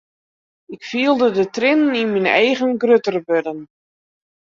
Ik fielde de triennen yn myn eagen grutter wurden.